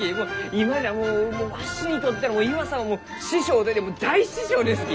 今じゃもうわしにとってのイワさんは師匠大師匠ですき！